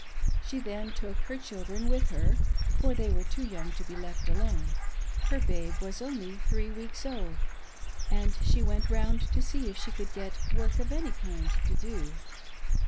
She then took her children with her, for they were too young to be left alone — her babe was only three weeks old — and she went round to see if she could get work of any kind to do.